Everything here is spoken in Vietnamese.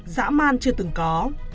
dã man chưa từng có